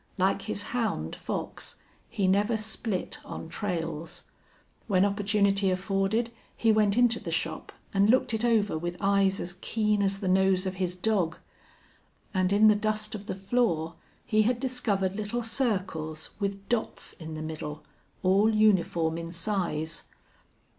Like his hound Fox, he never split on trails. When opportunity afforded he went into the shop and looked it over with eyes as keen as the nose of his dog. And in the dust of the floor he had discovered little circles with dots in the middle, all uniform in size.